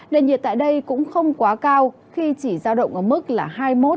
nền nhiệt tại đây cũng không quá cao khi chỉ sao động ở mức hai mươi một hai mươi sáu độ